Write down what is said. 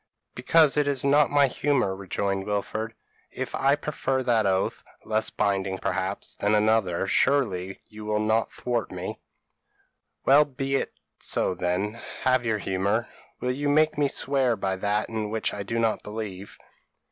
p> "'Because it is not my humour,' rejoined Wilfred; 'if I prefer that oath, less binding perhaps, than another, surely you will not thwart me.' "'Well be it so then; have your humour. Will you make me swear by that in which I do not believe?'